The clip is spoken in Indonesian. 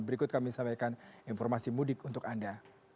berikut kami sampaikan informasi mudik untuk anda